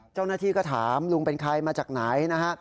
เจ้าหน้าที่ก็ถามลุงเป็นใครมาจากไหนนะฮะ